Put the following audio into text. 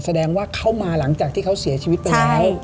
แสดงว่าเข้ามาหลังจากที่เขาเสียชีวิตไปแล้ว